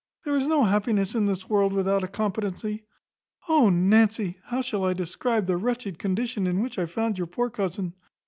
There is no happiness in this world without a competency. O Nancy! how shall I describe the wretched condition in which I found your poor cousin?